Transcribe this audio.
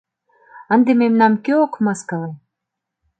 Ынде мемнам кӧ ок мыскыле.